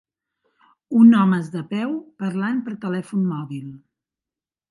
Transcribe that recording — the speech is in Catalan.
Un homes de peu parlant per telèfon mòbil.